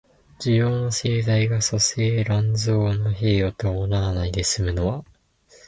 需要の盛大が粗製濫造の弊を伴わないで済むのは、